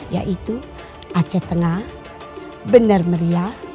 yaitu aceh tengah benar meriah dan jawa tengah